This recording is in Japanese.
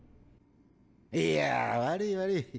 いや悪い悪い。